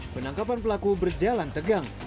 penangkapan pelaku berjalan tegang